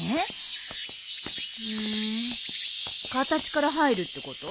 形から入るってこと？